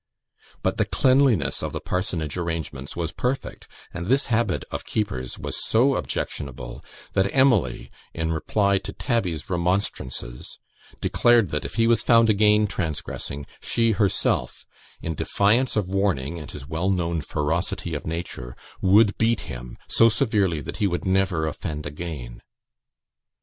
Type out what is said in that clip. But the cleanliness of the parsonage arrangements was perfect; and this habit of Keeper's was so objectionable, that Emily, in reply to Tabby's remonstrances, declared that, if he was found again transgressing, she herself, in defiance of warning and his well known ferocity of nature, would beat him so severely that he would never offend again.